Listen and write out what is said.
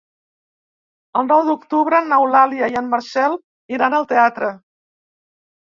El nou d'octubre n'Eulàlia i en Marcel iran al teatre.